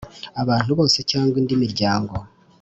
abantu bose cyangwa indi miryango.